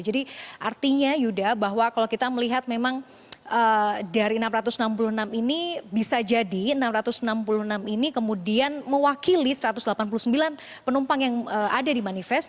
jadi artinya yuda bahwa kalau kita melihat memang dari enam ratus enam puluh enam ini bisa jadi enam ratus enam puluh enam ini kemudian mewakili satu ratus delapan puluh sembilan penumpang yang ada di manifest